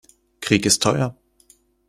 Krieg ist teuer.